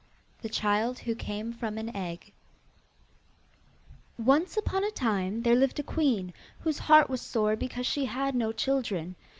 THE CHILD WHO CAME FROM AN EGG Once upon a time there lived a queen whose heart was sore because she had no children.